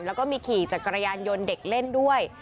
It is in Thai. แล้วก็มีขี่จักรยานยนต์เด็กเล่นด้วย